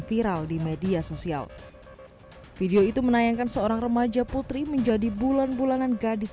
viral di media sosial video itu menayangkan seorang remaja putri menjadi bulan bulanan gadis